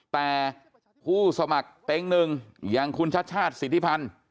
แต่ผู้สมัครเต็งหนึ่งอย่างคุณชาติชาติสิทธิพันธ์